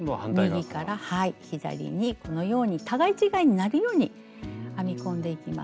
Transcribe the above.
右から左にこのように互い違いになるように編み込んでいきます。